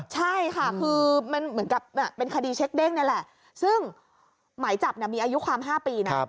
เหรอฮะคดีเช็กเด้งเหรอฮะ